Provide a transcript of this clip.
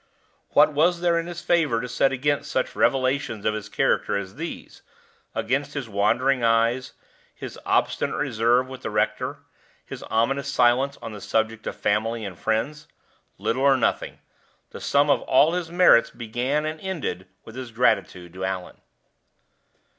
What was there in his favor to set against such revelations of his character as these against his wandering eyes, his obstinate reserve with the rector, his ominous silence on the subject of family and friends? Little or nothing: the sum of all his merits began and ended with his gratitude to Allan.